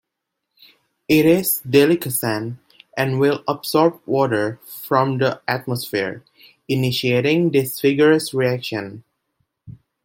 It is deliquescent and will absorb water from the atmosphere, initiating this vigorous reaction.